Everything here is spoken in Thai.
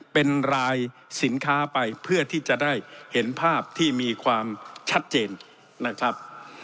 เป็นรายสินค้าไปเพื่อที่จะได้เห็นภาพที่มีความชัดเจนนะครับ